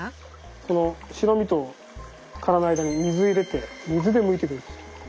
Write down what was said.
この白身と殻の間に水を入れて水でむいてくんです。